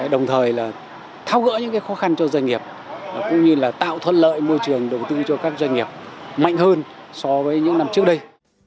đồng thời là thao gỡ những khó khăn cho doanh nghiệp cũng như là tạo thuận lợi môi trường đầu tư cho các doanh nghiệp mạnh hơn so với những năm trước đây